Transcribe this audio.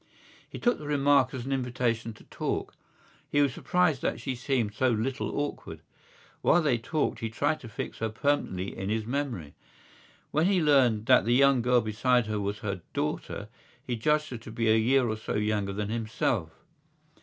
He took the remark as an invitation to talk. He was surprised that she seemed so little awkward. While they talked he tried to fix her permanently in his memory. When he learned that the young girl beside her was her daughter he judged her to be a year or so younger than himself.